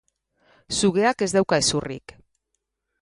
Sugeak ez dauka hezurrik.